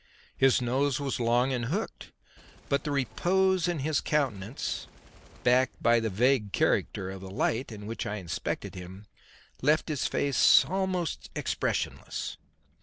His nose was long and hooked, but the repose in his countenance, backed by the vague character of the light in which I inspected him, left his face almost expressionless.